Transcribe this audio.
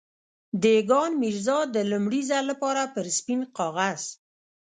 دېګان ميرزا د لومړي ځل لپاره پر سپين کاغذ.